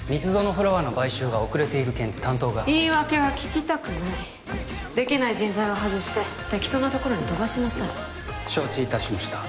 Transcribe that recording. フラワーの買収が遅れている件で担当が言い訳は聞きたくないできない人材は外して適当なところに飛ばしなさい承知いたしました